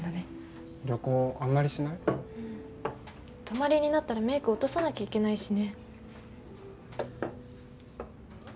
泊まりになったらメイク落とさなきゃいけないしね。